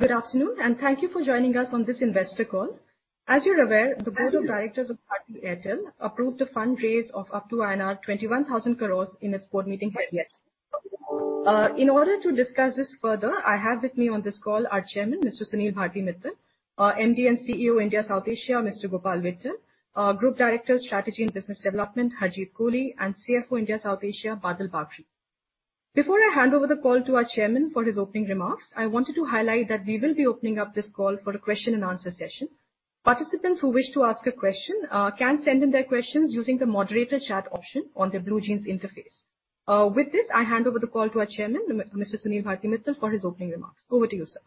Good afternoon, and thank you for joining us on this investor call. As you are aware, the board of directors of Bharti Airtel approved a fund raise of up to INR 21,000 crores in its board meeting held yesterday. In order to discuss this further, I have with me on this call our Chairman, Mr. Sunil Bharti Mittal, our MD and CEO India South Asia, Mr. Gopal Vittal, our Group Director Strategy and Business Development, Harjeet Kohli, and CFO India South Asia, Badal Bagri. Before I hand over the call to our Chairman for his opening remarks, I wanted to highlight that we will be opening up this call for a question and answer session. Participants who wish to ask a question can send in their questions using the moderator chat option on their BlueJeans interface. With this, I hand over the call to our Chairman, Mr. Sunil Bharti Mittal, for his opening remarks. Over to you, sir.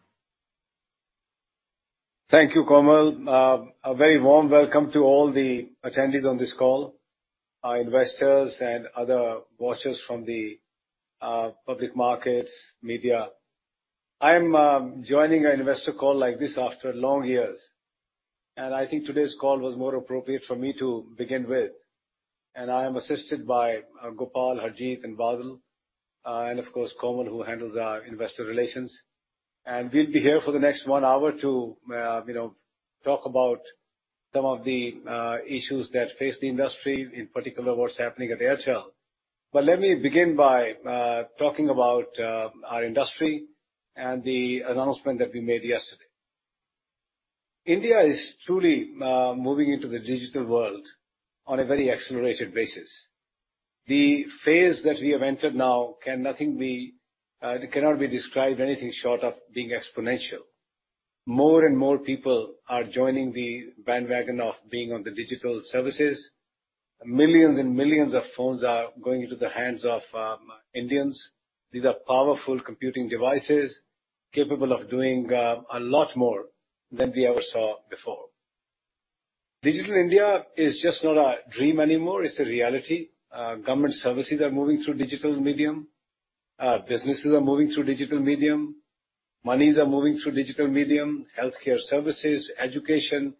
Thank you, Komal. A very warm welcome to all the attendees on this call, our investors and other watchers from the public markets, media. I'm joining an investor call like this after long years, and I think today's call was more appropriate for me to begin with. I am assisted by Gopal, Harjeet, and Badal, and of course, Komal, who handles our investor relations. We'll be here for the next one hour to talk about some of the issues that face the industry, in particular, what's happening at Airtel. Let me begin by talking about our industry and the announcement that we made yesterday. India is truly moving into the digital world on a very accelerated basis. The phase that we have entered now cannot be described anything short of being exponential. More and more people are joining the bandwagon of being on the digital services. Millions and millions of phones are going into the hands of Indians. These are powerful computing devices capable of doing a lot more than we ever saw before. Digital India is just not a dream anymore. It's a reality. Government services are moving through digital medium. Businesses are moving through digital medium. Monies are moving through digital medium. Healthcare services, education,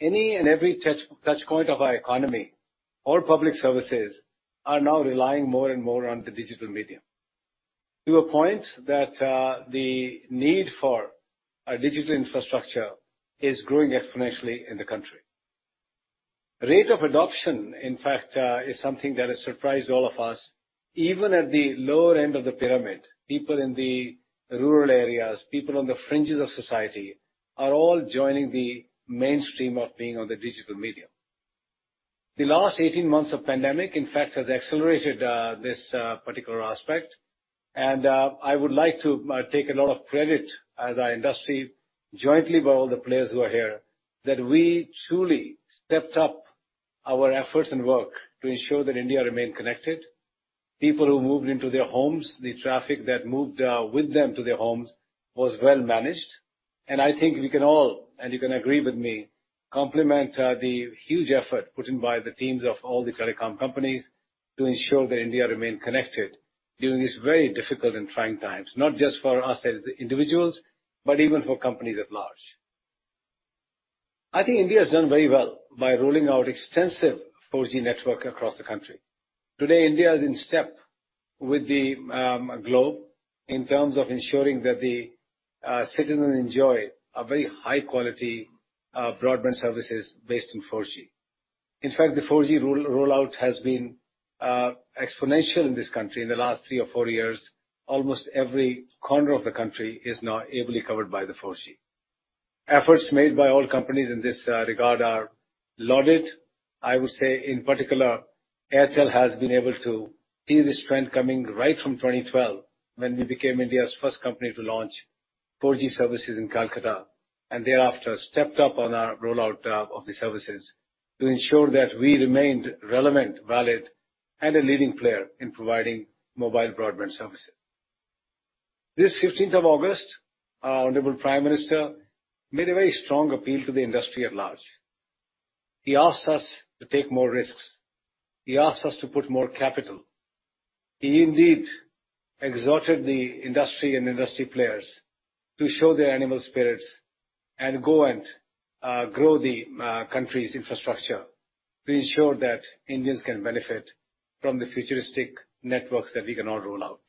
any and every touchpoint of our economy or public services are now relying more and more on the digital medium to a point that the need for a digital infrastructure is growing exponentially in the country. Rate of adoption, in fact, is something that has surprised all of us. Even at the lower end of the pyramid, people in the rural areas, people on the fringes of society are all joining the mainstream of being on the digital medium. The last 18 months of pandemic, in fact, has accelerated this particular aspect. I would like to take a lot of credit as our industry, jointly by all the players who are here, that we truly stepped up our efforts and work to ensure that India remained connected. People who moved into their homes, the traffic that moved with them to their homes was well managed. I think we can all, and you can agree with me, compliment the huge effort put in by the teams of all the telecom companies to ensure that India remained connected during this very difficult and trying times, not just for us as individuals, but even for companies at large. I think India has done very well by rolling out extensive 4G network across the country. Today, India is in step with the globe in terms of ensuring that the citizens enjoy a very high quality broadband services based on 4G. In fact, the 4G rollout has been exponential in this country in the last three or four years. Almost every corner of the country is now ably covered by the 4G. Efforts made by all companies in this regard are lauded. I would say, in particular, Airtel has been able to see this trend coming right from 2012, when we became India's first company to launch 4G services in Kolkata, and thereafter stepped up on our rollout of the services to ensure that we remained relevant, valid, and a leading player in providing mobile broadband services. This 15th of August, our honorable Prime Minister made a very strong appeal to the industry at large. He asked us to take more risks. He asked us to put more capital. He indeed exhorted the industry and industry players to show their animal spirits and go and grow the country's infrastructure to ensure that Indians can benefit from the futuristic networks that we can all roll out.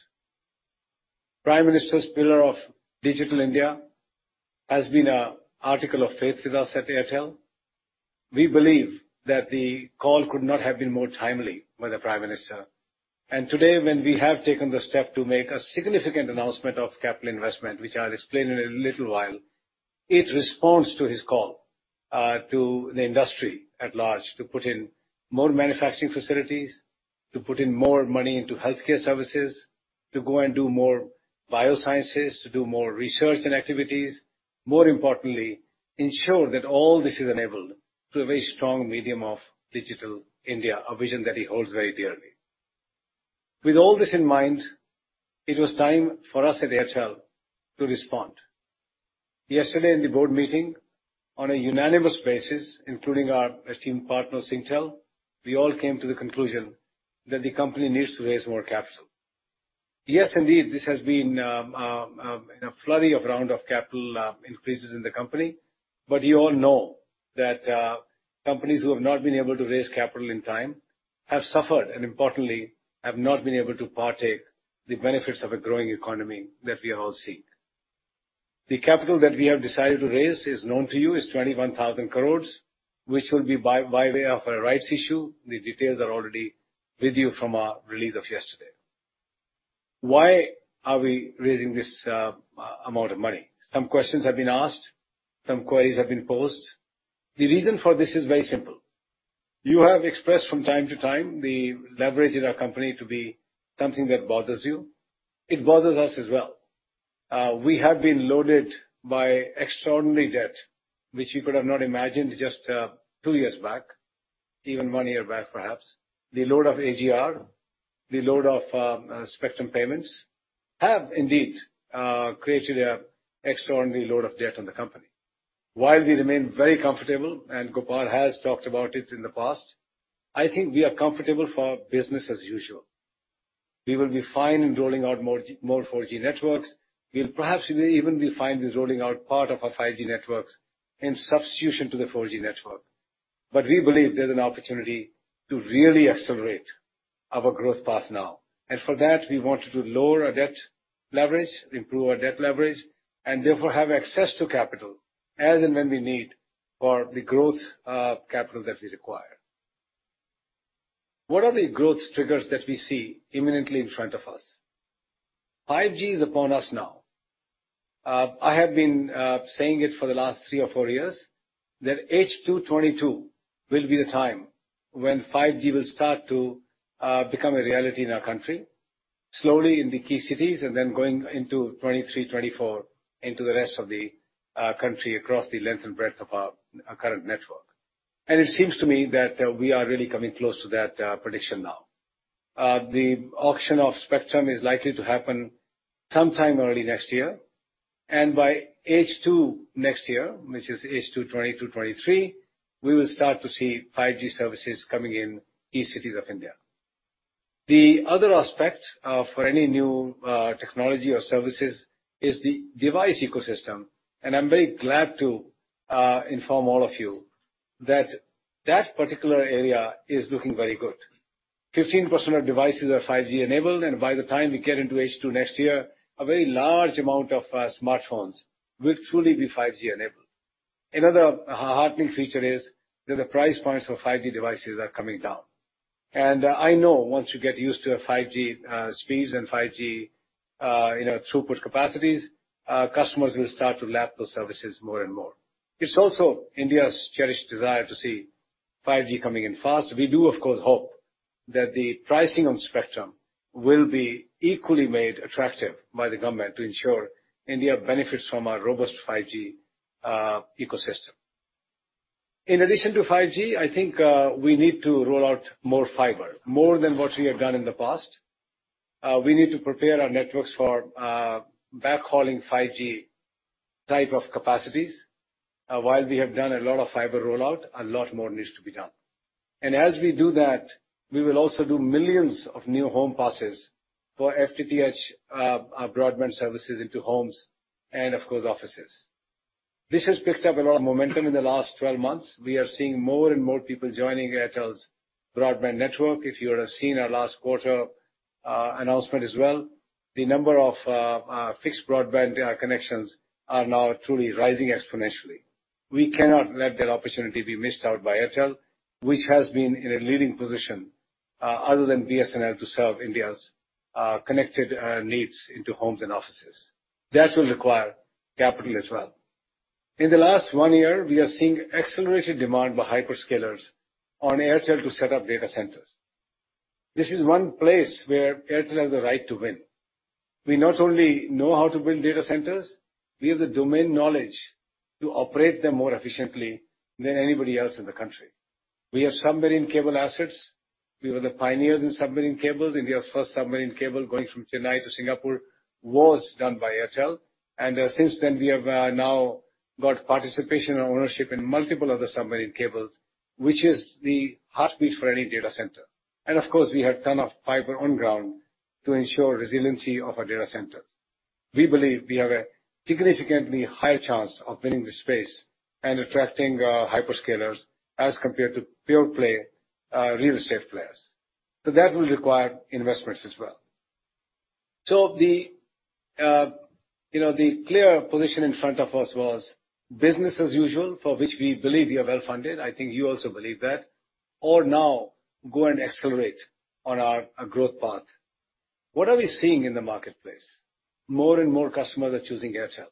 Prime Minister's pillar of Digital India has been an article of faith with us at Airtel. We believe that the call could not have been more timely by the Prime Minister. Today, when we have taken the step to make a significant announcement of capital investment, which I'll explain in a little while, it responds to his call to the industry at large to put in more manufacturing facilities, to put in more money into healthcare services, to go and do more biosciences, to do more research and activities. More importantly, ensure that all this is enabled through a very strong medium of Digital India, a vision that he holds very dearly. With all this in mind, it was time for us at Airtel to respond. Yesterday in the board meeting, on a unanimous basis, including our esteemed partner Singtel, we all came to the conclusion that the company needs to raise more capital. Yes, indeed, this has been in a flurry of round of capital increases in the company. You all know that companies who have not been able to raise capital in time have suffered, and importantly, have not been able to partake the benefits of a growing economy that we all seek. The capital that we have decided to raise is known to you, is 21,000 crores, which will be by way of a rights issue. The details are already with you from our release of yesterday. Why are we raising this amount of money? Some questions have been asked, some queries have been posed. The reason for this is very simple. You have expressed from time to time the leverage in our company to be something that bothers you. It bothers us as well. We have been loaded by extraordinary debt, which you could have not imagined just two years back, even one year back, perhaps. The load of AGR, the load of spectrum payments, have indeed created an extraordinary load of debt on the company. While we remain very comfortable, and Gopal has talked about it in the past, I think we are comfortable for business as usual. We will be fine in rolling out more 4G networks. We'll perhaps even be fine with rolling out part of our 5G networks in substitution to the 4G network. We believe there's an opportunity to really accelerate our growth path now. For that, we wanted to lower our debt leverage, improve our debt leverage, and therefore have access to capital as and when we need for the growth capital that we require. What are the growth triggers that we see imminently in front of us? 5G is upon us now. I have been saying it for the last three or four years, that H2 2022 will be the time when 5G will start to become a reality in our country. Slowly in the key cities, then going into 2023, 2024, into the rest of the country across the length and breadth of our current network. It seems to me that we are really coming close to that prediction now. The auction of spectrum is likely to happen sometime early next year, and by H2 next year, which is H2 2022, 2023, we will start to see 5G services coming in key cities of India. The other aspect for any new technology or services is the device ecosystem, and I'm very glad to inform all of you that that particular area is looking very good. 15% of devices are 5G enabled, and by the time we get into H2 next year, a very large amount of smartphones will truly be 5G enabled. Another heartening feature is that the price points for 5G devices are coming down. I know once you get used to 5G speeds and 5G throughput capacities, customers will start to lap those services more and more. It's also India's cherished desire to see 5G coming in fast. We do, of course, hope that the pricing on spectrum will be equally made attractive by the government to ensure India benefits from a robust 5G ecosystem. In addition to 5G, I think we need to roll out more fiber, more than what we have done in the past. We need to prepare our networks for backhauling 5G type of capacities. While we have done a lot of fiber rollout, a lot more needs to be done. As we do that, we will also do millions of new home passes for FTTH broadband services into homes and of course, offices. This has picked up a lot of momentum in the last 12 months. We are seeing more and more people joining Airtel's broadband network. If you would have seen our last quarter announcement as well, the number of fixed broadband connections are now truly rising exponentially. We cannot let that opportunity be missed out by Airtel, which has been in a leading position, other than BSNL, to serve India's connected needs into homes and offices. That will require capital as well. In the last one year, we are seeing accelerated demand by hyperscalers on Airtel to set up data centers. This is one place where Airtel has the right to win. We not only know how to build data centers, we have the domain knowledge to operate them more efficiently than anybody else in the country. We have submarine cable assets. We were the pioneers in submarine cables. India's first submarine cable going from Chennai to Singapore was done by Airtel. Since then, we have now got participation and ownership in multiple other submarine cables, which is the heartbeat for any data center. Of course, we have ton of fiber on ground to ensure resiliency of our data centers. We believe we have a significantly higher chance of winning this space and attracting hyperscalers as compared to pure play real estate players. That will require investments as well. The clear position in front of us was business as usual, for which we believe we are well-funded. I think you also believe that. Now go and accelerate on our growth path. What are we seeing in the marketplace? More and more customers are choosing Airtel.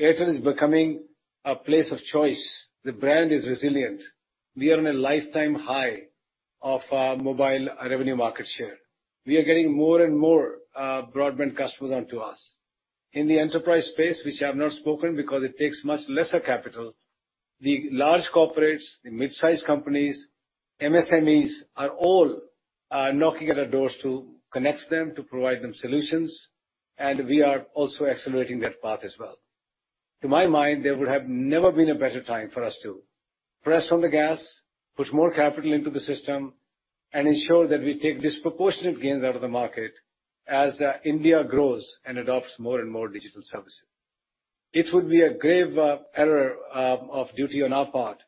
Airtel is becoming a place of choice. The brand is resilient. We are on a lifetime high of mobile revenue market share. We are getting more and more broadband customers onto us. In the enterprise space, which I've not spoken because it takes much lesser capital, the large corporates, the midsize companies, MSMEs are all knocking at our doors to connect them, to provide them solutions. We are also accelerating that path as well. To my mind, there would have never been a better time for us to press on the gas, put more capital into the system, and ensure that we take disproportionate gains out of the market as India grows and adopts more and more digital services. It would be a grave error of duty on our part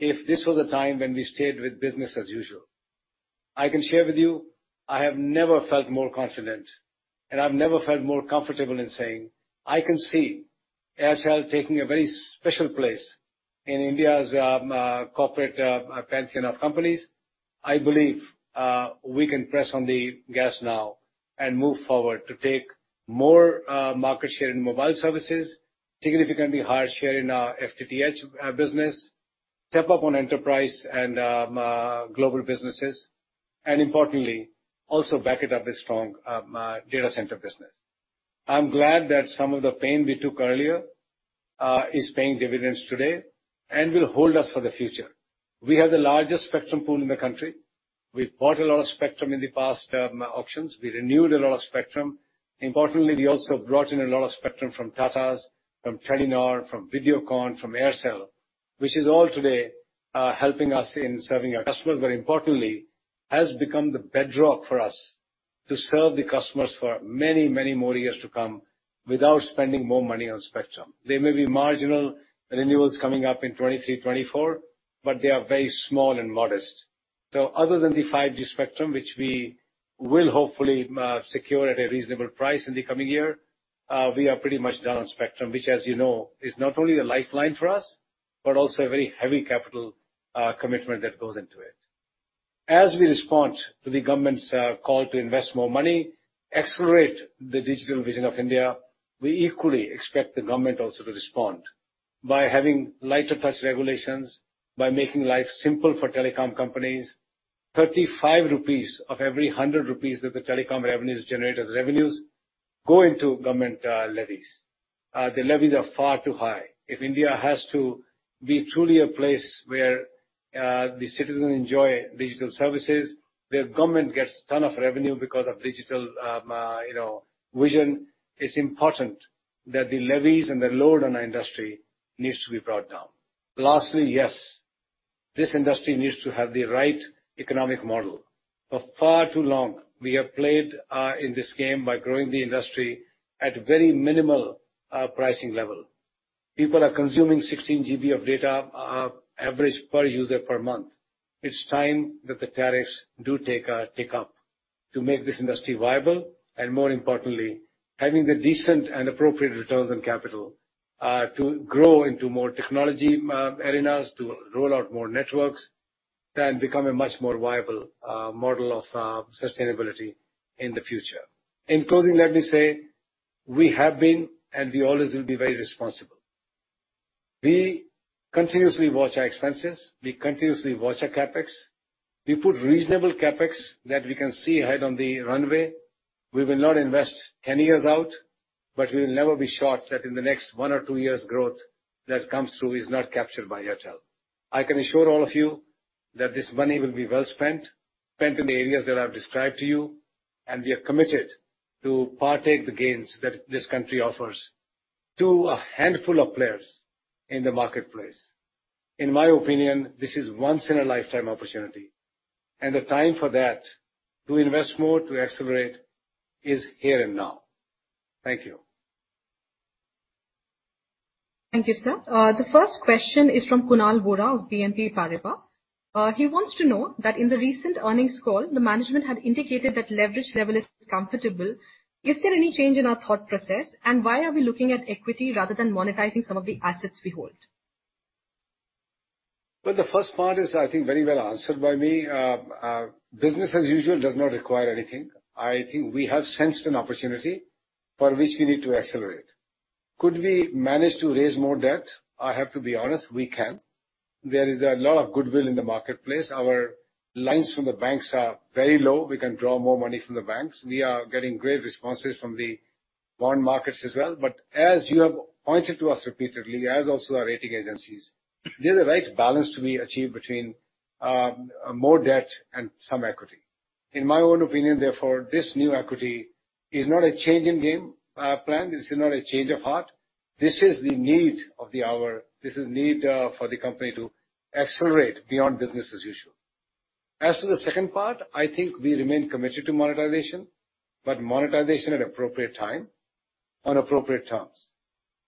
if this was a time when we stayed with business as usual. I can share with you, I have never felt more confident. I've never felt more comfortable in saying, I can see Airtel taking a very special place in India's corporate pantheon of companies. I believe we can press on the gas now and move forward to take more market share in mobile services, significantly higher share in our FTTH business, step up on enterprise and global businesses, and importantly, also back it up with strong data center business. I'm glad that some of the pain we took earlier is paying dividends today, and will hold us for the future. We have the largest spectrum pool in the country. We've bought a lot of spectrum in the past auctions. We renewed a lot of spectrum. Importantly, we also brought in a lot of spectrum from Tatas, from Telenor, from Videocon, from Aircel, which is all today helping us in serving our customers. Very importantly, it has become the bedrock for us to serve the customers for many, many more years to come without spending more money on spectrum. There may be marginal renewals coming up in 2023, 2024, but they are very small and modest. Other than the 5G spectrum, which we will hopefully secure at a reasonable price in the coming year, we are pretty much done on spectrum, which, as you know, is not only a lifeline for us, but also a very heavy capital commitment that goes into it. As we respond to the government's call to invest more money, accelerate the Digital India, we equally expect the government also to respond by having lighter touch regulations, by making life simple for telecom companies. 35 rupees of every 100 rupees that the telecom revenues generate as revenues go into government levies. The levies are far too high. If India has to be truly a place where the citizens enjoy digital services, where government gets ton of revenue because of digital vision, it's important that the levies and the load on our industry needs to be brought down. Lastly, yes, this industry needs to have the right economic model. For far too long, we have played in this game by growing the industry at very minimal pricing level. People are consuming 16 GB of data, average per user per month. It's time that the tariffs do take a tick up to make this industry viable, and more importantly, having the decent and appropriate returns on capital to grow into more technology arenas, to roll out more networks, then become a much more viable model of sustainability in the future. In closing, let me say we have been, and we always will be very responsible. We continuously watch our expenses. We continuously watch our CapEx. We put reasonable CapEx that we can see ahead on the runway. We will not invest 10 years out, but we will never be short that in the next one or two years' growth that comes through is not captured by Airtel. I can assure all of you that this money will be well spent in the areas that I've described to you, and we are committed to partake the gains that this country offers to a handful of players in the marketplace. In my opinion, this is once in a lifetime opportunity. The time for that, to invest more, to accelerate, is here and now. Thank you. Thank you, sir. The first question is from Kunal Vora of BNP Paribas. He wants to know that in the recent earnings call, the management had indicated that leverage level is comfortable. Is there any change in our thought process? Why are we looking at equity rather than monetizing some of the assets we hold? Well, the first part is, I think very well answered by me. Business as usual does not require anything. I think we have sensed an opportunity for which we need to accelerate. Could we manage to raise more debt? I have to be honest, we can. There is a lot of goodwill in the marketplace. Our lines from the banks are very low. We can draw more money from the banks. We are getting great responses from the bond markets as well. As you have pointed to us repeatedly, as also our rating agencies, there's a right balance to be achieved between more debt and some equity. In my own opinion, therefore, this new equity is not a change in game plan. This is not a change of heart. This is the need of the hour. This is the need for the company to accelerate beyond business as usual. As to the second part, I think we remain committed to monetization, but monetization at appropriate time on appropriate terms.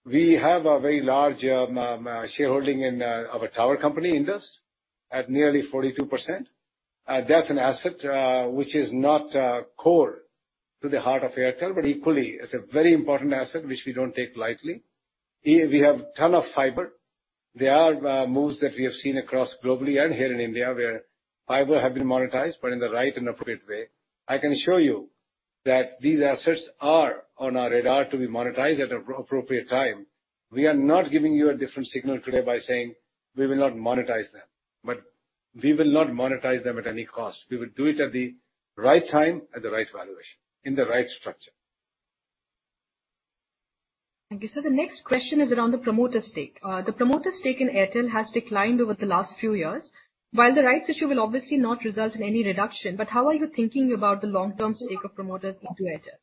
We have a very large shareholding in our tower company, Indus, at nearly 42%. That's an asset which is not core to the heart of Airtel, but equally is a very important asset which we don't take lightly. We have ton of fiber. There are moves that we have seen across globally and here in India, where fiber have been monetized, but in the right and appropriate way. I can assure you that these assets are on our radar to be monetized at appropriate time. We are not giving you a different signal today by saying we will not monetize them, but we will not monetize them at any cost. We will do it at the right time, at the right valuation, in the right structure. Thank you, sir. The next question is around the promoter stake. The promoter stake in Airtel has declined over the last few years. While the rights issue will obviously not result in any reduction, how are you thinking about the long-term stake of promoters into Airtel?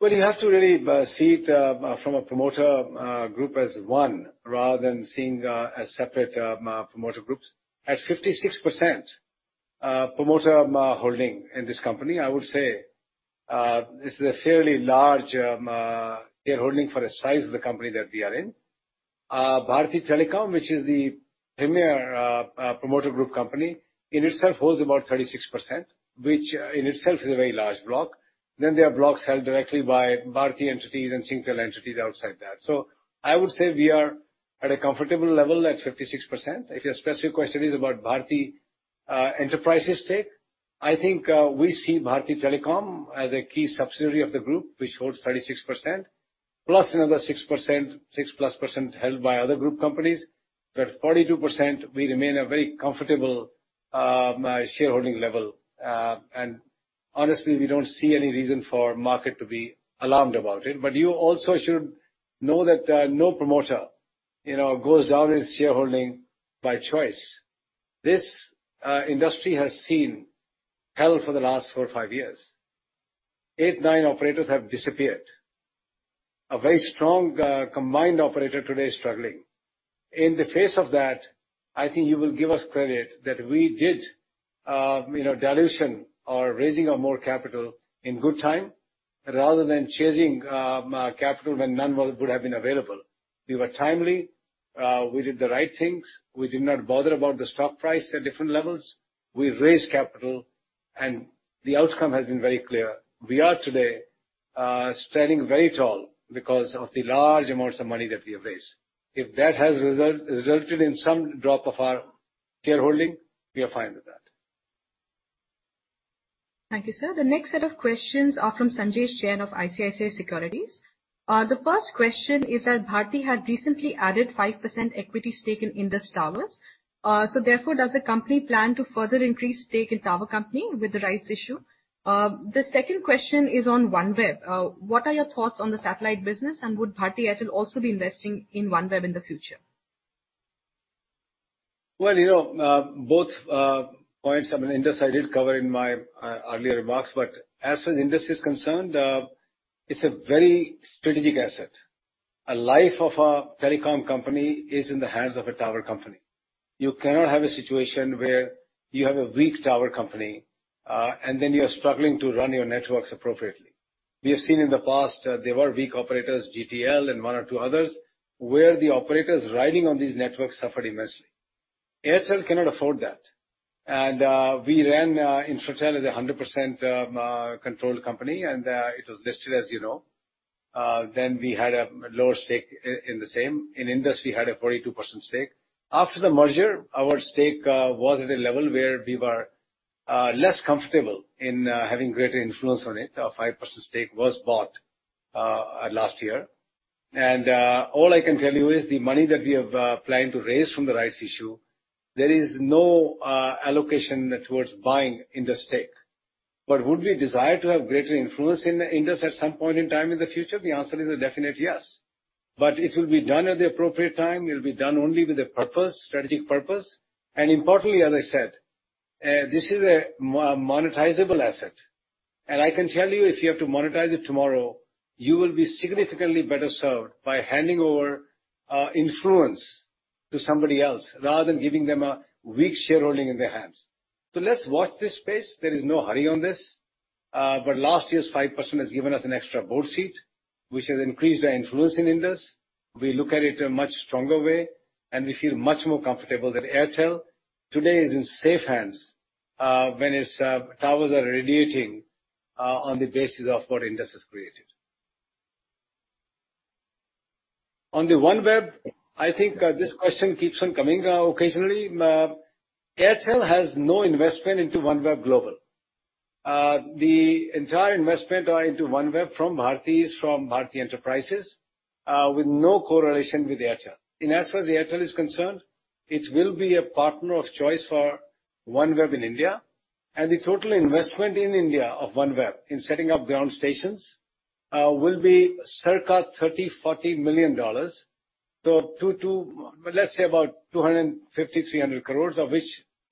Well, you have to really see it from a promoter group as one, rather than seeing as separate promoter groups. At 56% promoter holding in this company, I would say, this is a fairly large shareholding for the size of the company that we are in. Bharti Telecom, which is the premier promoter group company, in itself holds about 36%, which in itself is a very large block. Then there are blocks held directly by Bharti entities and Singtel entities outside that. I would say we are at a comfortable level at 56%. If your specific question is about Bharti Enterprises stake, I think we see Bharti Telecom as a key subsidiary of the group, which holds 36%, plus another 6+% held by other group companies. At 42%, we remain a very comfortable shareholding level, and honestly, we don't see any reason for market to be alarmed about it. You also should know that no promoter goes down in shareholding by choice. This industry has seen hell for the last four or five years. 8, 9 operators have disappeared. A very strong combined operator today is struggling. In the face of that, I think you will give us credit that we did dilution or raising of more capital in good time, rather than chasing capital when none would have been available. We were timely. We did the right things. We did not bother about the stock price at different levels. We raised capital, and the outcome has been very clear. We are today standing very tall because of the large amounts of money that we have raised. If that has resulted in some drop of our shareholding, we are fine with that. Thank you, sir. The next set of questions are from Sanjesh Jain of ICICI Securities. The first question is that Bharti had recently added 5% equity stake in Indus Towers. Therefore, does the company plan to further increase stake in tower company with the rights issue? The second question is on OneWeb. What are your thoughts on the satellite business, and would Bharti Airtel also be investing in OneWeb in the future? Both points, I mean, Indus, I did cover in my earlier remarks, but as far as Indus is concerned, it's a very strategic asset. A life of a telecom company is in the hands of a tower company. You cannot have a situation where you have a weak tower company, and then you are struggling to run your networks appropriately. We have seen in the past, there were weak operators, GTL and 1 or 2 others, where the operators riding on these networks suffered immensely. Airtel cannot afford that. We ran Infratel as 100% controlled company, and it was listed, as you know. We had a lower stake in the same. In Indus, we had a 42% stake. After the merger, our stake was at a level where we were less comfortable in having greater influence on it. A 5% stake was bought last year. All I can tell you is the money that we have planned to raise from the rights issue, there is no allocation towards buying Indus stake. Would we desire to have greater influence in Indus at some point in time in the future? The answer is a definite yes. It will be done at the appropriate time. It will be done only with a purpose, strategic purpose. Importantly, as I said, this is a monetizable asset. I can tell you, if you have to monetize it tomorrow, you will be significantly better served by handing over influence to somebody else rather than giving them a weak shareholding in their hands. Let's watch this space. There is no hurry on this. Last year's 5% has given us an extra board seat, which has increased our influence in Indus. We look at it a much stronger way, and we feel much more comfortable that Airtel today is in safe hands when its towers are radiating on the basis of what Indus has created. On the OneWeb, I think this question keeps on coming occasionally. Airtel has no investment into OneWeb global. The entire investment into OneWeb from Bharti is from Bharti Enterprises, with no correlation with Airtel. As far as Airtel is concerned, it will be a partner of choice for OneWeb in India, and the total investment in India of OneWeb in setting up ground stations will be circa $30 million-$40 million. Let's say about 250 crore-300 crore, of which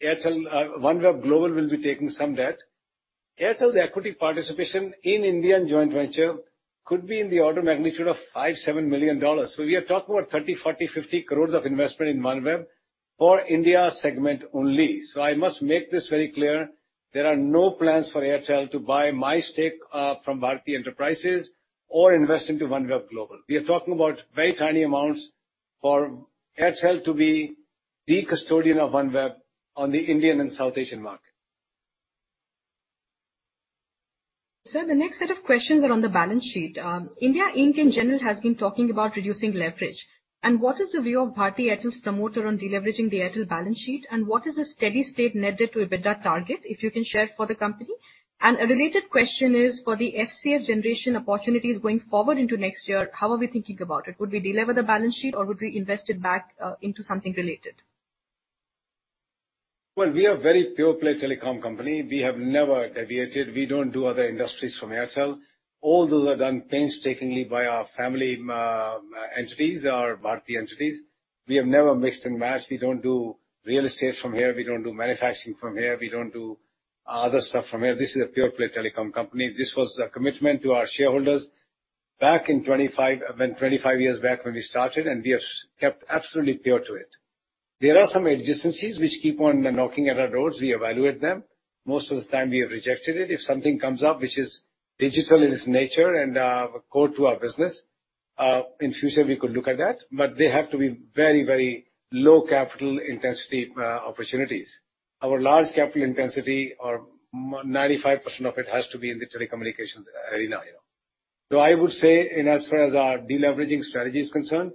OneWeb global will be taking some debt. Airtel's equity participation in Indian joint venture could be in the order magnitude of $5 million-$7 million. We are talking about 30 crores, 40 crores, 50 crores of investment in OneWeb for India segment only. I must make this very clear. There are no plans for Airtel to buy my stake from Bharti Enterprises or invest into OneWeb global. We are talking about very tiny amounts for Airtel to be the custodian of OneWeb on the Indian and South Asian market. Sir, the next set of questions are on the balance sheet. India Inc in general has been talking about reducing leverage. What is the view of Bharti Airtel's promoter on deleveraging the Airtel balance sheet, and what is the steady state net debt to EBITDA target, if you can share it for the company? A related question is, for the FCF generation opportunities going forward into next year, how are we thinking about it? Would we delever the balance sheet, or would we invest it back into something related? Well, we are very pure play telecom company. We have never deviated. We don't do other industries from Airtel. All those are done painstakingly by our family entities, our Bharti entities. We have never mixed and matched. We don't do real estate from here. We don't do manufacturing from here. We don't do other stuff from here. This is a pure play telecom company. This was a commitment to our shareholders. Back 25 years back when we started, we have kept absolutely pure to it. There are some adjacencies which keep on knocking at our doors. We evaluate them. Most of the time we have rejected it. If something comes up which is digital in its nature and core to our business, in future, we could look at that, but they have to be very low-capital intensity opportunities. Our large capital intensity, or 95% of it, has to be in the telecommunications arena. I would say, in as far as our de-leveraging strategy is concerned,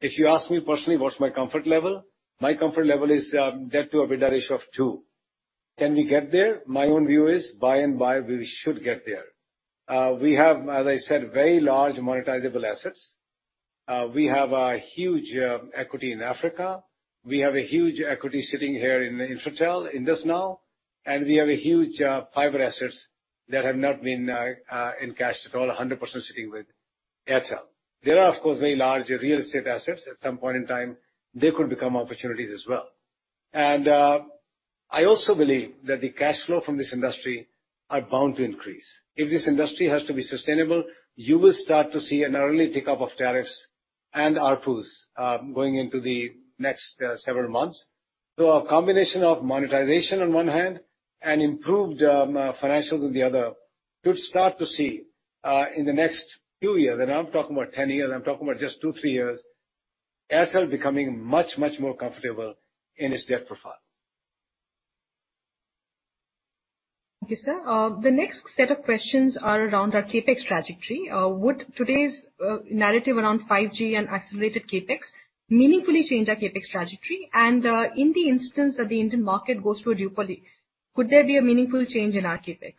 if you ask me personally what's my comfort level, my comfort level is debt to EBITDA ratio of 2. Can we get there? My own view is by and by, we should get there. We have, as I said, very large monetizable assets. We have a huge equity in Africa. We have a huge equity sitting here in Bharti Infratel, Indus Towers, and we have huge fiber assets that have not been encashed at all, 100% sitting with Airtel. There are, of course, very large real estate assets. At some point in time, they could become opportunities as well. I also believe that the cash flow from this industry are bound to increase. If this industry has to be sustainable, you will start to see an early tick-up of tariffs and ARPU going into the next several months. A combination of monetization on one hand and improved financials on the other, you'll start to see in the next two years, and I'm not talking about 10 years, I'm talking about just two, three years, Airtel becoming much, much more comfortable in its debt profile. Thank you, sir. The next set of questions are around our CapEx trajectory. Would today's narrative around 5G and accelerated CapEx meaningfully change our CapEx trajectory? In the instance that the Indian market goes to a duopoly, could there be a meaningful change in our CapEx?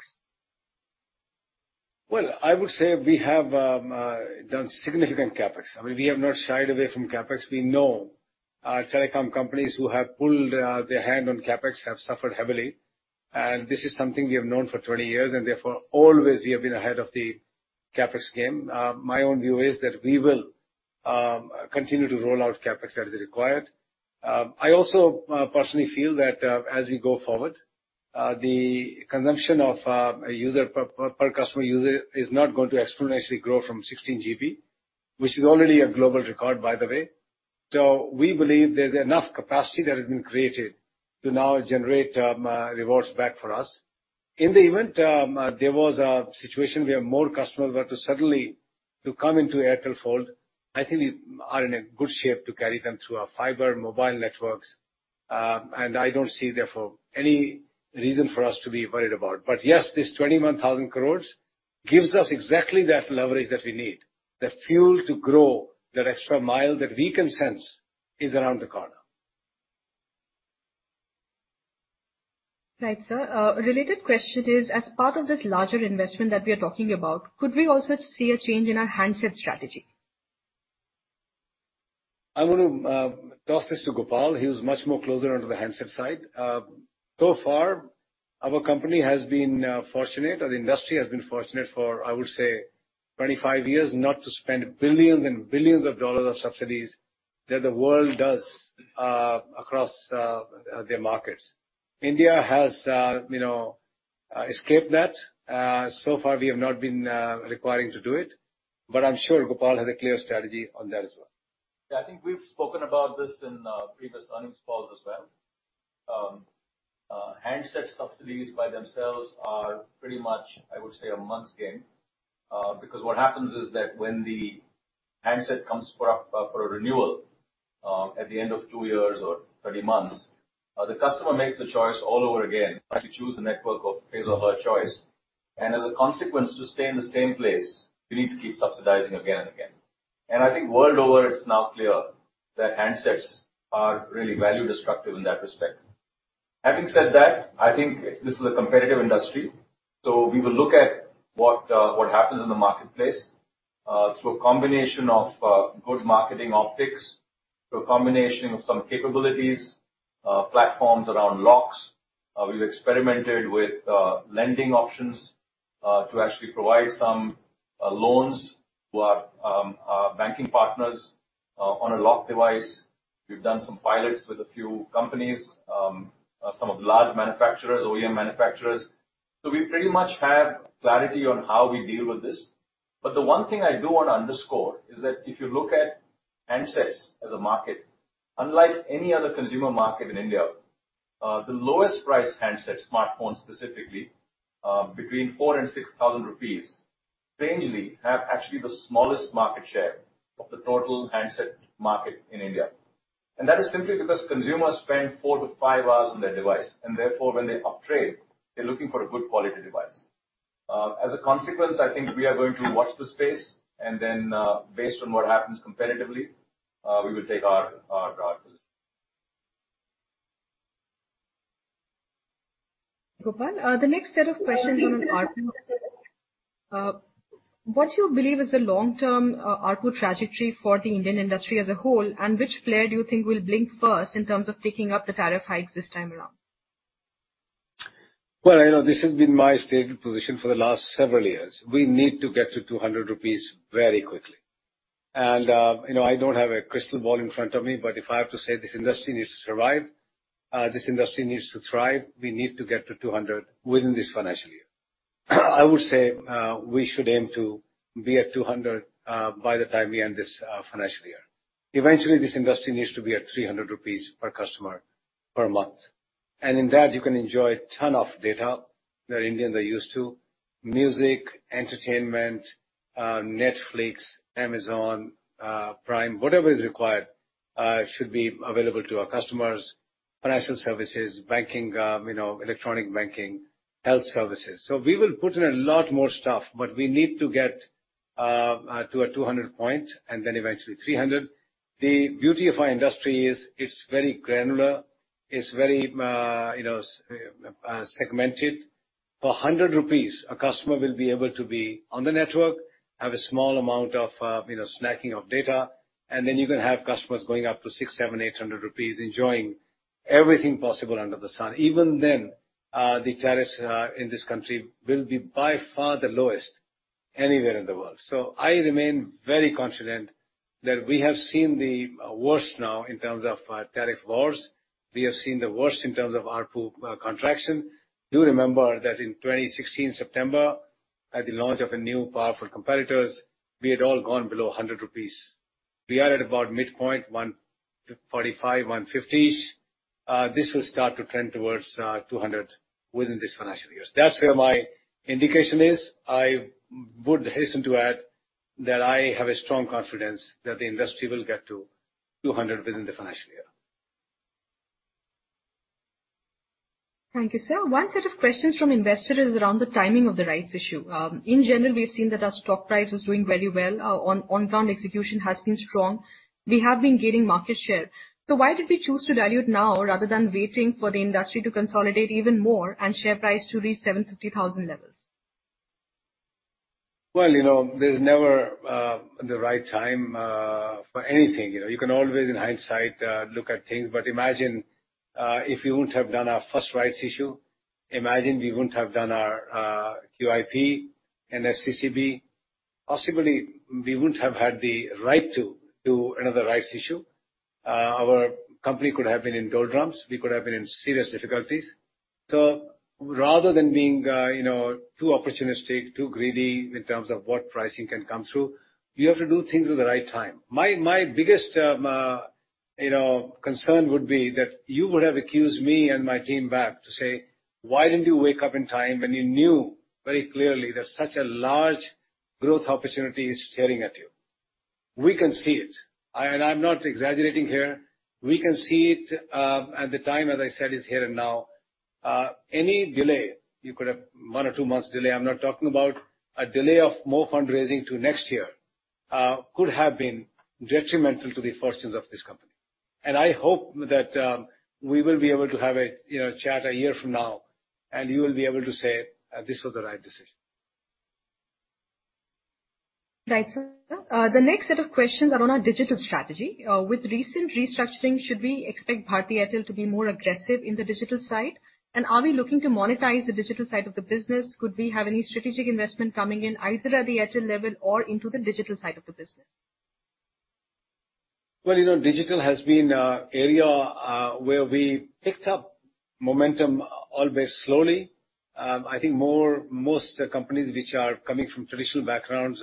Well, I would say we have done significant CapEx. We have not shied away from CapEx. We know our telecom companies who have pulled their hand on CapEx have suffered heavily. This is something we have known for 20 years, and therefore, always we have been ahead of the CapEx game. My own view is that we will continue to roll out CapEx as required. I also personally feel that as we go forward, the consumption of a user per customer is not going to exponentially grow from 16 GB, which is already a global record, by the way. We believe there's enough capacity that has been created to now generate rewards back for us. In the event there was a situation where more customers were to suddenly to come into Airtel fold, I think we are in a good shape to carry them through our fiber mobile networks. I don't see, therefore, any reason for us to be worried about. yes, this 21,000 crores gives us exactly that leverage that we need, the fuel to grow that extra mile that we can sense is around the corner. Right, sir. A related question is, as part of this larger investment that we are talking about, could we also see a change in our handset strategy? I want to toss this to Gopal. He is much more closer onto the handset side. So far, our company has been fortunate, or the industry has been fortunate for, I would say, 25 years, not to spend INR billions and billions of subsidies that the world does across their markets. India has escaped that. So far, we have not been requiring to do it. I'm sure Gopal has a clear strategy on that as well. Yeah, I think we've spoken about this in previous earnings calls as well. Handset subsidies by themselves are pretty much, I would say, a month's game. Because what happens is that when the handset comes for a renewal at the end of two years or 30 months, the customer makes the choice all over again, how to choose the network of his or her choice. As a consequence, to stay in the same place, we need to keep subsidizing again and again. I think world over, it's now clear that handsets are really value-destructive in that respect. Having said that, I think this is a competitive industry, we will look at what happens in the marketplace. Through a combination of good marketing optics, through a combination of some capabilities, platforms around locks. We've experimented with lending options to actually provide some loans to our banking partners on a lock device. We've done some pilots with a few companies, some of the large manufacturers, OEM manufacturers. We pretty much have clarity on how we deal with this. The one thing I do want to underscore is that if you look at handsets as a market, unlike any other consumer market in India, the lowest priced handsets, smartphones specifically, between 4,000 and 6,000 rupees, strangely, have actually the smallest market share of the total handset market in India. That is simply because consumers spend four to five hours on their device, and therefore, when they upgrade, they're looking for a good quality device. As a consequence, I think we are going to watch the space, and then based on what happens competitively, we will take our position. Gopal, the next set of questions is on ARPU. What do you believe is the long-term ARPU trajectory for the Indian industry as a whole, and which player do you think will blink first in terms of taking up the tariff hikes this time around? Well, this has been my stated position for the last several years. We need to get to 200 rupees very quickly. I don't have a crystal ball in front of me, but if I have to say this industry needs to survive, this industry needs to thrive, we need to get to 200 within this financial year. I would say, we should aim to be at 200 by the time we end this financial year. Eventually, this industry needs to be at 300 rupees per customer per month. In that, you can enjoy ton of data. They're Indian, they're used to music, entertainment, Netflix, Amazon Prime, whatever is required should be available to our customers, financial services, banking, electronic banking, health services. We will put in a lot more stuff, but we need to get to an 200 point, and then eventually 300. The beauty of our industry is it's very granular, it's very segmented. For 100 rupees, a customer will be able to be on the network, have a small amount of snacking of data, and then you can have customers going up to 600, 700, 800 rupees enjoying everything possible under the sun. Even then, the tariffs in this country will be by far the lowest anywhere in the world. I remain very confident that we have seen the worst now in terms of tariff wars. We have seen the worst in terms of ARPU contraction. Do remember that in 2016, September, at the launch of a new powerful competitors, we had all gone below 100 rupees. We are at about midpoint, 145, INR 150s. This will start to trend towards 200 within this financial year. That's where my indication is. I would hasten to add that I have a strong confidence that the industry will get to 200 within the financial year. Thank you, sir. One set of questions from investors is around the timing of the rights issue. In general, we have seen that our stock price was doing very well. Our on-ground execution has been strong. We have been gaining market share. Why did we choose to dilute now rather than waiting for the industry to consolidate even more and share price to reach 750,000 levels? Well, there's never the right time for anything. You can always, in hindsight, look at things. Imagine if we wouldn't have done our first rights issue, imagine we wouldn't have done our QIP and FCCB. Possibly, we wouldn't have had the right to do another rights issue. Our company could have been in doldrums. We could have been in serious difficulties. Rather than being too opportunistic, too greedy in terms of what pricing can come through, you have to do things at the right time. My biggest concern would be that you would have accused me and my team back to say, "Why didn't you wake up in time when you knew very clearly that such a large growth opportunity is staring at you?" We can see it, I'm not exaggerating here. We can see it, the time, as I said, is here and now. Any delay, you could have one or two months delay, I'm not talking about a delay of more fundraising to next year could have been detrimental to the fortunes of this company. I hope that we will be able to have a chat a year from now, and you will be able to say, "This was the right decision. Right, sir. The next set of questions are on our digital strategy. With recent restructuring, should we expect Bharti Airtel to be more aggressive in the digital side? Are we looking to monetize the digital side of the business? Could we have any strategic investment coming in, either at the Airtel level or into the digital side of the business? Well, digital has been area where we picked up momentum, albeit slowly. I think most companies which are coming from traditional backgrounds,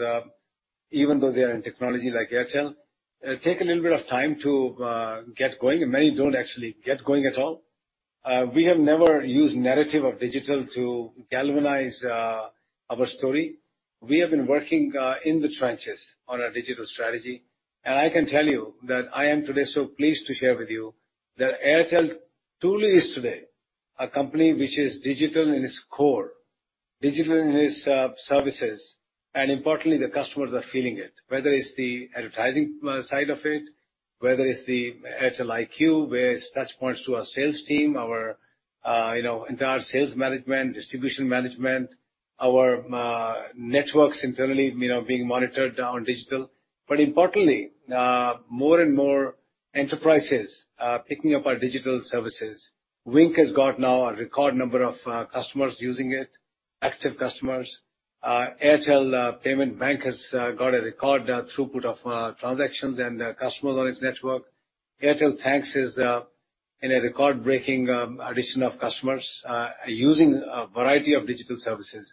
even though they are in technology like Airtel, take a little bit of time to get going, and many don't actually get going at all. We have never used narrative of digital to galvanize our story. We have been working in the trenches on our digital strategy. I can tell you that I am today so pleased to share with you that Airtel truly is today a company which is digital in its core, digital in its services, and importantly, the customers are feeling it. Whether it's the advertising side of it, whether it's the Airtel IQ-based touch points to our sales team, our entire sales management, distribution management, our networks internally being monitored on digital. Importantly, more and more enterprises are picking up our digital services. Wynk has got now a record number of customers using it, active customers. Airtel Payments Bank has got a record throughput of transactions and customers on its network. Airtel Thanks is in a record-breaking addition of customers using a variety of digital services.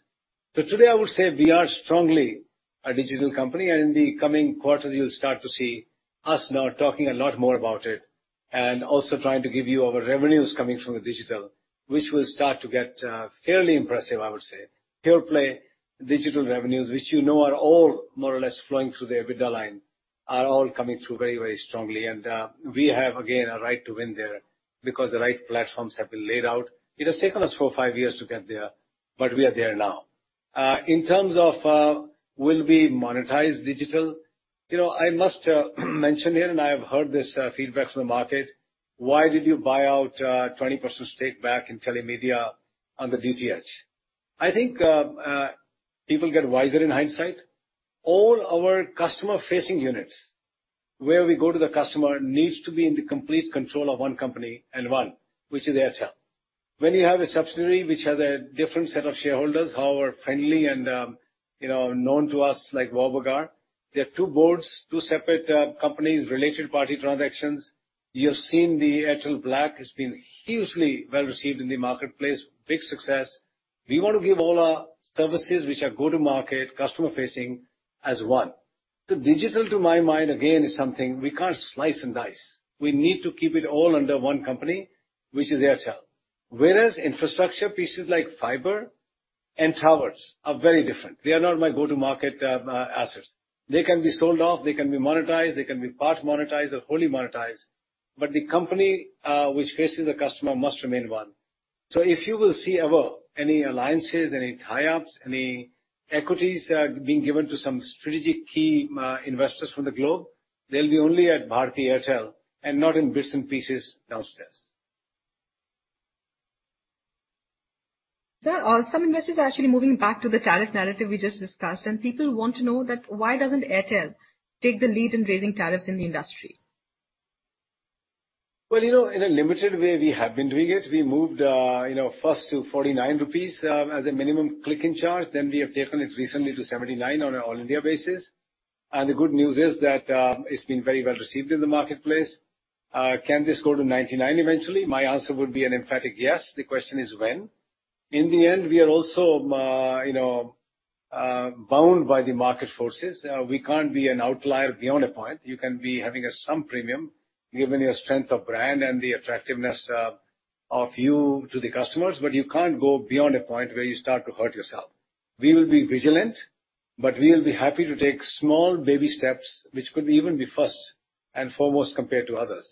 Today, I would say we are strongly a digital company, and in the coming quarters, you'll start to see us now talking a lot more about it, and also trying to give you our revenues coming from the digital, which will start to get fairly impressive, I would say. Pure-play digital revenues, which you know are all more or less flowing through the EBITDA line, are all coming through very strongly. We have, again, a right to win there because the right platforms have been laid out. It has taken us four or five years to get there, but we are there now. In terms of will we monetize digital? I must mention here, and I have heard this feedback from the market. Why did you buy out 20% stake back in Telemedia on the DTH? I think people get wiser in hindsight. All our customer-facing units. Where we go to the customer needs to be in the complete control of one company, and one which is Airtel. When you have a subsidiary which has a different set of shareholders, however friendly and known to us, like Warburg Pincus, there are two boards, two separate companies, related party transactions. You have seen the Airtel Black has been hugely well-received in the marketplace, big success. We want to give all our services which are go-to-market, customer facing, as one. Digital, to my mind, again, is something we can't slice and dice. We need to keep it all under one company, which is Airtel. Whereas infrastructure pieces like fiber and towers are very different. They are not my go-to-market assets. They can be sold off, they can be monetized, they can be part monetized or wholly monetized. But the company which faces the customer must remain one. If you will see ever any alliances, any tie-ups, any equities being given to some strategic key investors from the globe, they'll be only at Bharti Airtel and not in bits and pieces downstairs. Sir, some investors are actually moving back to the tariff narrative we just discussed, and people want to know that why doesn't Airtel take the lead in raising tariffs in the industry? Well, in a limited way, we have been doing it. We moved first to 49 rupees as a minimum click-in charge, then we have taken it recently to 79 on an all-India basis. The good news is that it's been very well received in the marketplace. Can this go to 99 eventually? My answer would be an emphatic yes. The question is, when? In the end, we are also bound by the market forces. We can't be an outlier beyond a point. You can be having some premium given your strength of brand and the attractiveness of you to the customers, but you can't go beyond a point where you start to hurt yourself. We will be vigilant, but we will be happy to take small baby steps, which could even be first and foremost, compared to others.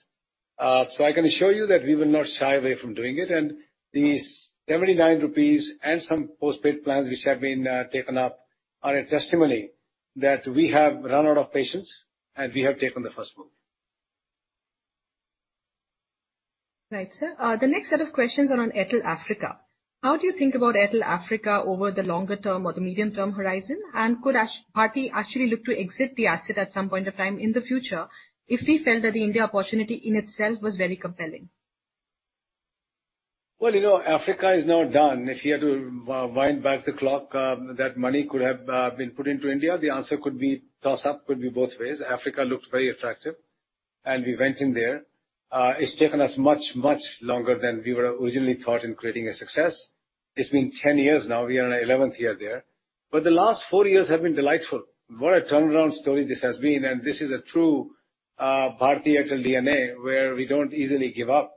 I can assure you that we will not shy away from doing it. These 79 rupees and some postpaid plans which have been taken up are a testimony that we have run out of patience, and we have taken the first move. Right, sir. The next set of questions are on Airtel Africa. How do you think about Airtel Africa over the longer term or the medium term horizon? Could Bharti actually look to exit the asset at some point of time in the future if we felt that the India opportunity in itself was very compelling? Well, Africa is now done. If you had to wind back the clock, that money could have been put into India. The answer could be toss-up, could be both ways. Africa looked very attractive, and we went in there. It's taken us much, much longer than we would have originally thought in creating a success. It's been 10 years now. We are in our 11th year there, but the last four years have been delightful. What a turnaround story this has been, and this is a true Bharti Airtel DNA, where we don't easily give up.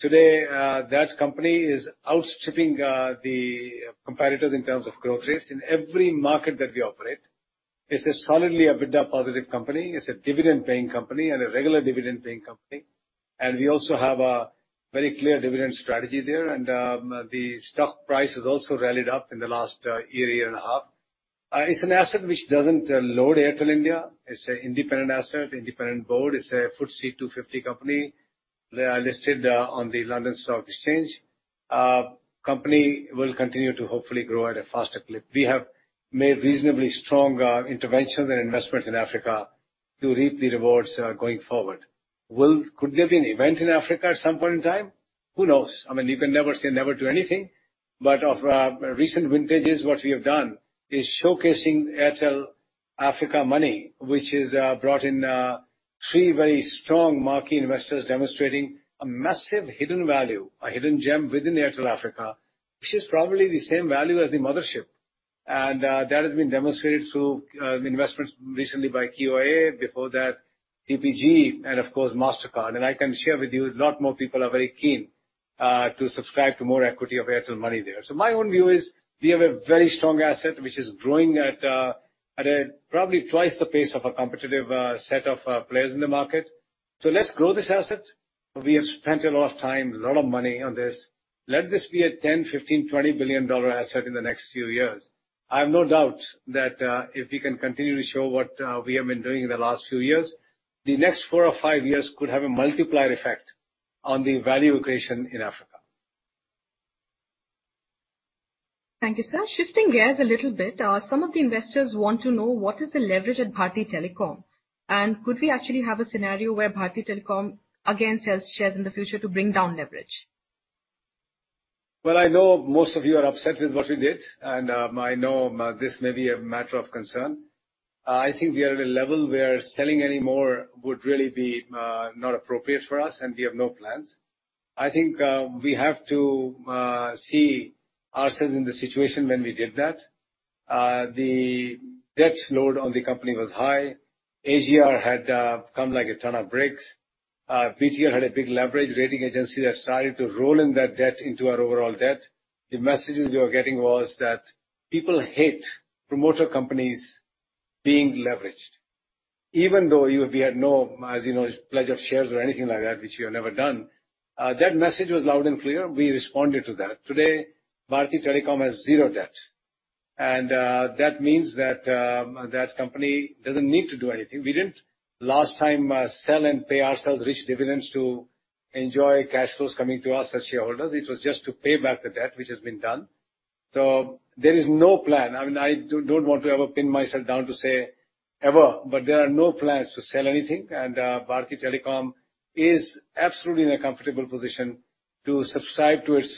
Today, that company is outstripping the competitors in terms of growth rates in every market that we operate. It's solidly an EBITDA positive company. It's a dividend-paying company and a regular dividend-paying company. We also have a very clear dividend strategy there, and the stock price has also rallied up in the last year and a half. It's an asset which doesn't load Airtel India. It's an independent asset, independent board. It's a FTSE 250 company. They are listed on the London Stock Exchange. Company will continue to hopefully grow at a faster clip. We have made reasonably strong interventions and investments in Africa to reap the rewards going forward. Could there be an event in Africa at some point in time? Who knows? You can never say never to anything. Of recent vintages, what we have done is showcasing Airtel Africa Money, which has brought in three very strong marquee investors demonstrating a massive hidden value, a hidden gem within Airtel Africa, which is probably the same value as the mothership. That has been demonstrated through investments recently by QIA, before that TPG, and of course, Mastercard. I can share with you a lot more people are very keen to subscribe to more equity of Airtel Money there. My own view is we have a very strong asset, which is growing at probably twice the pace of a competitive set of players in the market. Let's grow this asset. We have spent a lot of time, a lot of money on this. Let this be a $10 billion, $15 billion, $20 billion asset in the next few years. I have no doubt that if we can continue to show what we have been doing in the last few years, the next four or five years could have a multiplier effect on the value equation in Africa. Thank you, sir. Shifting gears a little bit, some of the investors want to know what is the leverage at Bharti Telecom, and could we actually have a scenario where Bharti Telecom again sells shares in the future to bring down leverage? Well, I know most of you are upset with what we did, and I know this may be a matter of concern. I think we are at a level where selling any more would really be not appropriate for us, and we have no plans. I think we have to see ourselves in the situation when we did that. The debt load on the company was high. AGR had come like a ton of bricks. BTL had a big leverage. Rating agencies had started to roll in that debt into our overall debt. The messages we were getting was that people hate promoter companies being leveraged. Even though we had no, as you know, pledge of shares or anything like that, which we have never done. That message was loud and clear. We responded to that. Today, Bharti Telecom has zero debt, that means that company doesn't need to do anything. We didn't last time sell and pay ourselves rich dividends to enjoy cash flows coming to us as shareholders. It was just to pay back the debt, which has been done. There is no plan. I don't want to ever pin myself down to say ever, but there are no plans to sell anything, and Bharti Telecom is absolutely in a comfortable position to subscribe to its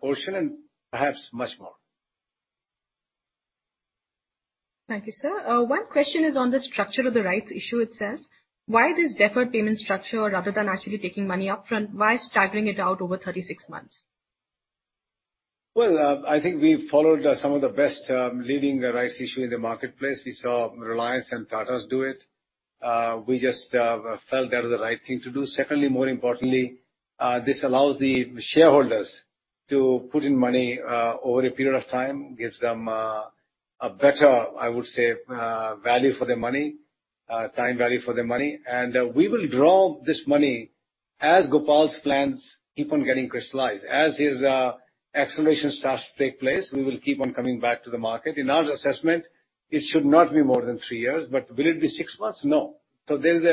portion, and perhaps much more. Thank you, sir. One question is on the structure of the rights issue itself. Why this deferred payment structure, rather than actually taking money up front? Why staggering it out over 36 months? Well, I think we've followed some of the best leading rights issue in the marketplace. We saw Reliance and Tatas do it. We just felt that was the right thing to do. Secondly, more importantly, this allows the shareholders to put in money over a period of time, gives them a better, I would say, value for their money, time value for their money. We will draw this money as Gopal's plans keep on getting crystallized. As his acceleration starts to take place, we will keep on coming back to the market. In our assessment, it should not be more than three years. Will it be six months? No. There's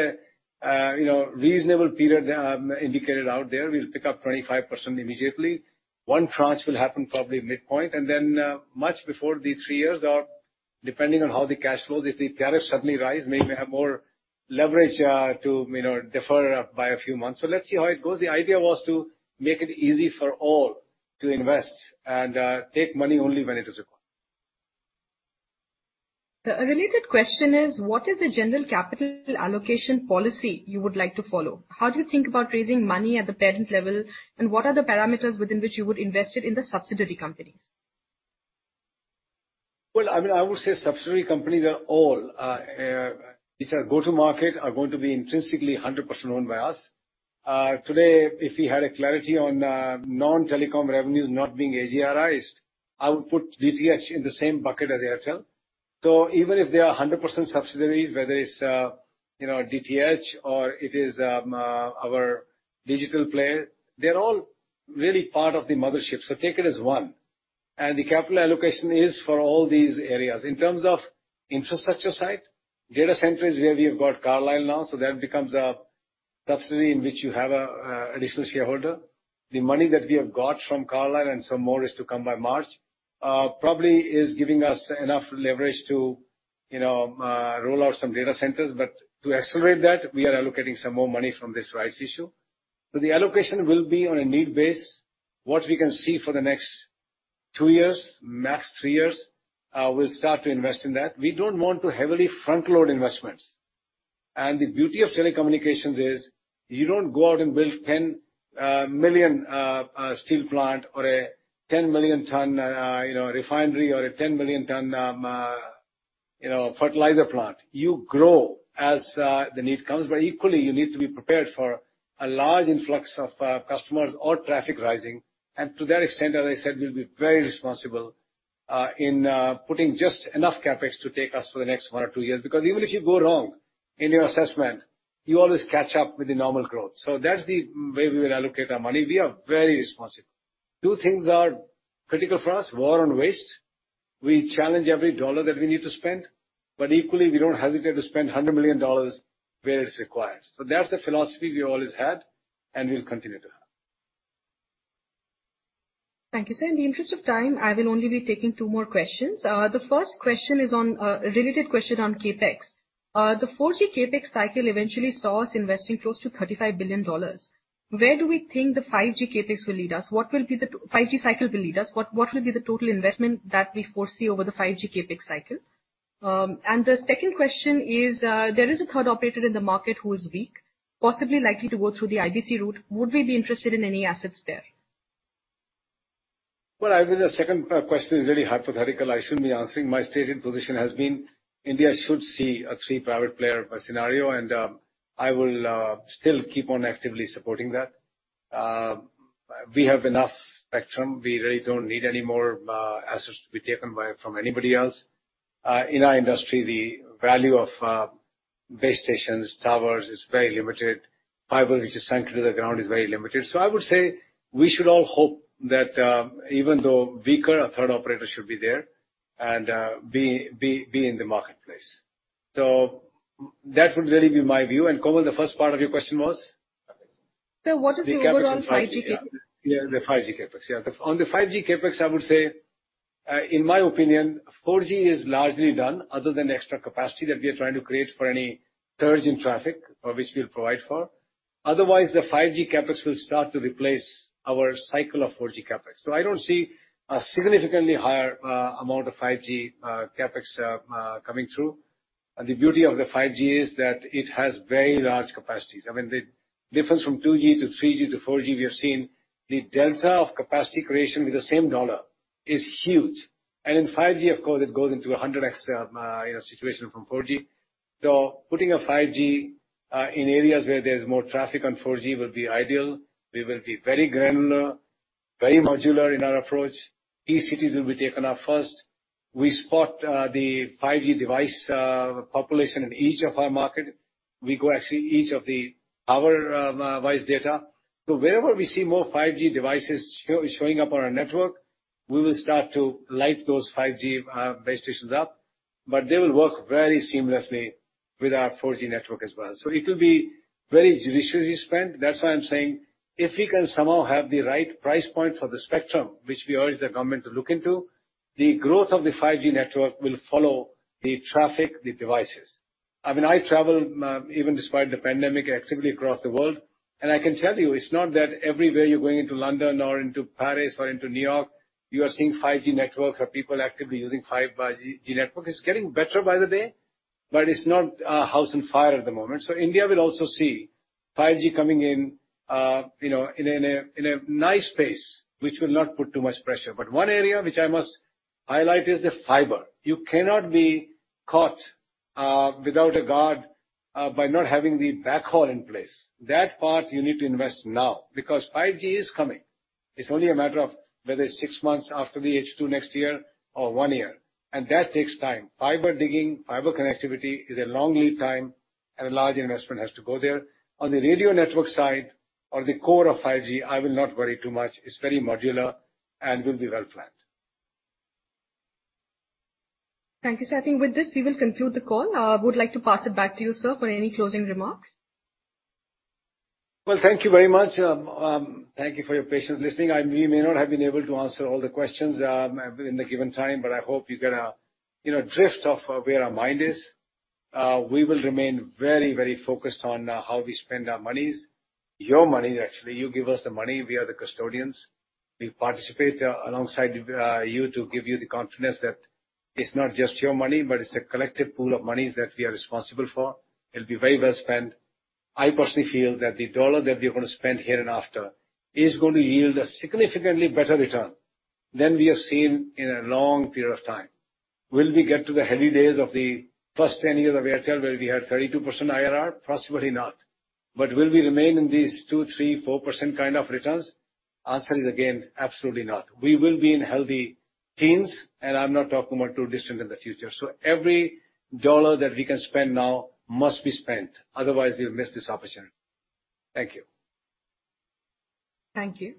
a reasonable period indicated out there. We'll pick up 25% immediately. One tranche will happen probably midpoint. Much before the three years are up, depending on how the cash flows, if the tariffs suddenly rise, may have more leverage to defer by a few months. Let's see how it goes. The idea was to make it easy for all to invest and take money only when it is required. A related question is, what is the general capital allocation policy you would like to follow? How do you think about raising money at the parent level, and what are the parameters within which you would invest it in the subsidiary companies? Well, I would say subsidiary companies are all, which are go-to-market, are going to be intrinsically 100% owned by us. Today, if we had clarity on non-telecom revenues not being AGR-ized, I would put DTH in the same bucket as Airtel. Even if they are 100% subsidiaries, whether it is DTH or it is our digital player, they are all really part of the mothership. Take it as one. The capital allocation is for all these areas. In terms of infrastructure side, data center is where we have got Carlyle now, that becomes a subsidiary in which you have an additional shareholder. The money that we have got from Carlyle, some more is to come by March, probably is giving us enough leverage to roll out some data centers. To accelerate that, we are allocating some more money from this rights issue. The allocation will be on a need basis. What we can see for the next two years, max three years, we'll start to invest in that. We don't want to heavily front-load investments. The beauty of telecommunications is you don't go out and build 10 million steel plant or a 10 million ton refinery or a 10 million ton fertilizer plant. You grow as the need comes, equally you need to be prepared for a large influx of customers or traffic rising. To that extent, as I said, we'll be very responsible in putting just enough CapEx to take us for the next one or two years, because even if you go wrong in your assessment, you always catch up with the normal growth. That's the way we will allocate our money. We are very responsible. Two things are critical for us, war on waste. We challenge every dollar that we need to spend, but equally, we don't hesitate to spend $100 million where it's required. That's the philosophy we always had and will continue to have. Thank you, sir. In the interest of time, I will only be taking two more questions. The first question is a related question on CapEx. The 4G CapEx cycle eventually saw us investing close to INR 35 billion. Where do we think the 5G CapEx will lead us? What will the 5G cycle lead us? What will be the total investment that we foresee over the 5G CapEx cycle? The second question is, there is a third operator in the market who is weak, possibly likely to go through the IBC route. Would we be interested in any assets there? I think the second question is very hypothetical. I shouldn't be answering. My stated position has been India should see a three-private player scenario, I will still keep on actively supporting that. We have enough spectrum. We really don't need any more assets to be taken by from anybody else. In our industry, the value of base stations, towers is very limited. Fiber which is sunk to the ground is very limited. I would say we should all hope that even though weaker, a third operator should be there and be in the marketplace. That would really be my view. Komal, the first part of your question was? Sir, what is the overall 5G CapEx? The 5G CapEx. On the 5G CapEx, I would say, in my opinion, 4G is largely done other than the extra capacity that we are trying to create for any surge in traffic for which we'll provide for. The 5G CapEx will start to replace our cycle of 4G CapEx. I don't see a significantly higher amount of 5G CapEx coming through. The beauty of the 5G is that it has very large capacities. I mean, the difference from 2G to 3G to 4G, we have seen the delta of capacity creation with the same dollar is huge. In 5G, of course, it goes into 100x situation from 4G. Putting a 5G in areas where there's more traffic on 4G will be ideal. We will be very granular, very modular in our approach. These cities will be taken up first. We spot the 5G device population in each of our market. We go actually each of our wireless data. Wherever we see more 5G devices showing up on our network, we will start to light those 5G base stations up. They will work very seamlessly with our 4G network as well. It will be very judiciously spent. That's why I'm saying, if we can somehow have the right price point for the spectrum, which we urge the government to look into, the growth of the 5G network will follow the traffic, the devices. I travel, even despite the pandemic, actively across the world, and I can tell you, it's not that everywhere you're going into London or into Paris or into New York, you are seeing 5G networks or people actively using 5G network. It's getting better by the day, but it's not house on fire at the moment. India will also see 5G coming in a nice pace, which will not put too much pressure. One area which I must highlight is the fiber. You cannot be caught without a guard by not having the backhaul in place. That part you need to invest now, because 5G is coming. It's only a matter of whether it's six months after we H2 next year or one year, and that takes time. Fiber digging, fiber connectivity is a long lead time, and a large investment has to go there. On the radio network side or the core of 5G, I will not worry too much. It's very modular and will be well-planned. Thank you, sir. I think with this we will conclude the call. I would like to pass it back to you, sir, for any closing remarks. Well, thank you very much. Thank you for your patient listening. We may not have been able to answer all the questions in the given time, but I hope you get a drift of where our mind is. We will remain very focused on how we spend our monies. Your money, actually. You give us the money, we are the custodians. We participate alongside you to give you the confidence that it's not just your money, but it's a collective pool of monies that we are responsible for. It'll be very well spent. I personally feel that the dollar that we are going to spend hereinafter is going to yield a significantly better return than we have seen in a long period of time. Will we get to the heady days of the first 10 years of Airtel, where we had 32% IRR? Possibly not. Will we remain in these 2%, 3%, 4% kind of returns? Answer is again, absolutely not. We will be in healthy teens, and I'm not talking about too distant in the future. Every dollar that we can spend now must be spent, otherwise we'll miss this opportunity. Thank you. Thank you.